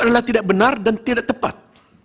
adalah tidak benar dan tidak tepat